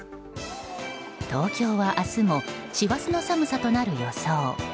東京は明日も師走の寒さとなる予想。